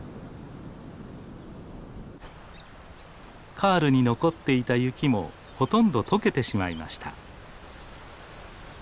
カールに残っていた雪もほとんどとけてしまいました。